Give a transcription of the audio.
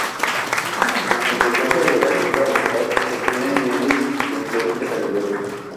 Como consecuencia de la flora local se obtienen mieles de excelente calidad.